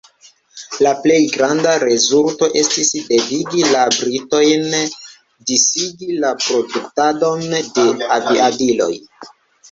La plej granda rezulto estis devigi la britojn disigi la produktadon de aviadiloj.